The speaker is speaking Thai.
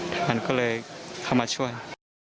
ทหารก็เลยเข้ามาช่วย